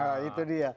nah itu dia